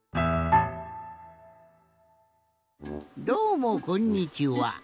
どうもこんにちは。